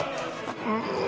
うん！